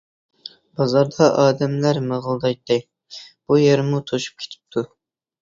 بازاردا ئادەملەر مىغىلدايتتى. بۇ يەرمۇ توشۇپ كېتىپتۇ.